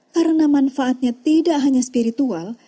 karena manfaatnya tidak hanya spiritual